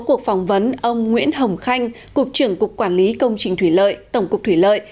cuộc phỏng vấn ông nguyễn hồng khanh cục trưởng cục quản lý công trình thủy lợi tổng cục thủy lợi